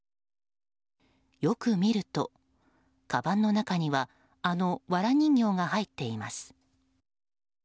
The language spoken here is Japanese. よく見ると、かばんの中にはあのわら人形が入っています。